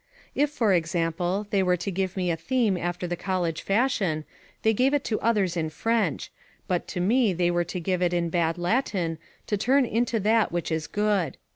If, for example, they were to give me a theme after the college fashion, they gave it to others in French; but to me they were to give it in bad Latin, to turn it into that which was good.